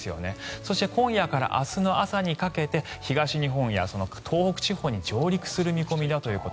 そして今夜から明日の朝にかけて東日本や東北地方に上陸する見込みだということ。